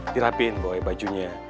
dirapiin boy bajunya